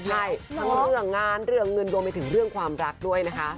ใช่ทั้งเรื่องงานเรื่องเงินรวมไปถึงเรื่องความรักด้วยนะคะ